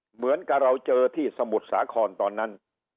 เหมือนกับเราเจอที่สมุทรสาครตอนนั้น